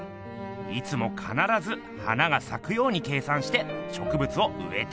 いつもかならず花がさくように計算してしょくぶつをうえているっす。